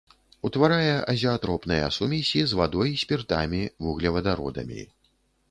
Утварае азеатропныя сумесі з вадой, спіртамі, вуглевадародамі.